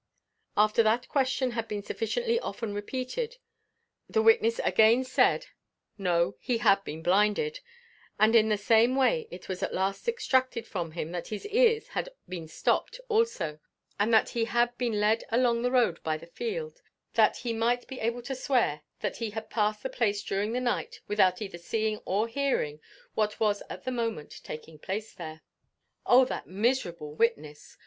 After that question had been sufficiently often repeated, the witness again said, "No; he had been blinded;" and in the same way it was at last extracted from him that his ears had been stopped also, and that he had been led along the road by the field, that he might be able to swear that he had passed the place during the night without either seeing or hearing what was at the moment taking place there. Oh that miserable witness!